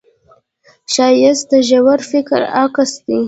ښایست د ژور فکر عکس دی